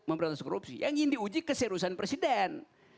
memberantakan korupsi yang ingin diuji keserusan presiden